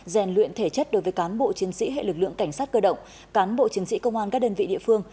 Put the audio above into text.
rèn luyện thể chất đối với cán bộ chiến sĩ hệ lực lượng cảnh sát cơ động cán bộ chiến sĩ công an các đơn vị địa phương